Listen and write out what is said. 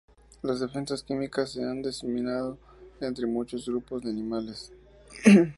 Las defensas químicas se han diseminado entre muchos grupos de animales.